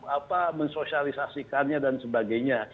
apa mensosialisasikannya dan sebagainya